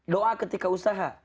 doa ketika usaha